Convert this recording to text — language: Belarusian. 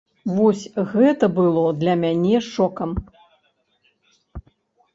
Вось гэта было для мяне шокам!